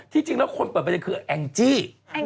จริงแล้วคนเปิดประเด็นคือแองจี้